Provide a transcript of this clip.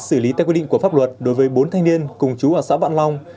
xử lý theo quy định của pháp luật đối với bốn thanh niên cùng chú ở xã vạn long